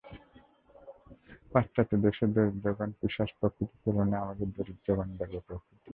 পাশ্চাত্যদেশের দরিদ্রগণ পিশাচপ্রকৃতি, তুলনায় আমাদের দরিদ্রগণ দেবপ্রকৃতি।